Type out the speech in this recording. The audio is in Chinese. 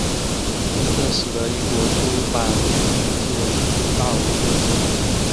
这使得英国出版品的自由程度大为提升。